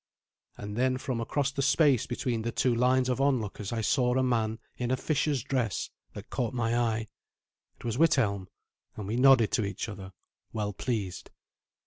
And then from across the space between the two lines of onlookers I saw a man in a fisher's dress that caught my eye. It was Withelm, and we nodded to each other, well pleased.